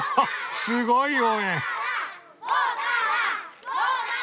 すごい応援！